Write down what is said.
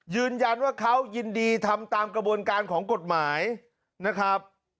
ยืนยันว่าเขายินดีทำตามกระบวนการของกฎหมายนะครับ